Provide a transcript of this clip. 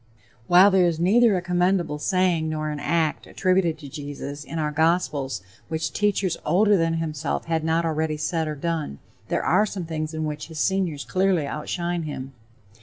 While there is neither a commendable saying nor an act attributed to Jesus in our gospels which teachers older than himself had not already said or done, there are some things in which his seniors clearly outshine him.